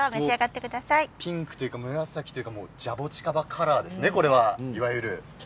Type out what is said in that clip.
ピンクというか紫というかジャボチカバカラーですねいわゆる。